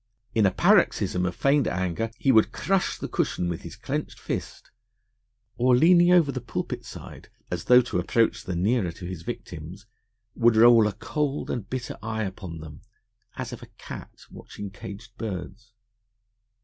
In a paroxysm of feigned anger he would crush the cushion with his clenched fist, or leaning over the pulpit side as though to approach the nearer to his victims, would roll a cold and bitter eye upon them, as of a cat watching caged birds.